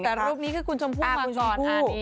แต่รูปนี้คือคุณชมพู่มาชมพู่